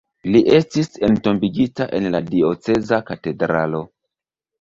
Li estis entombigita en la dioceza katedralo.